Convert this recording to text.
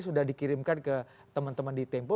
sudah dikirimkan ke teman teman di tempo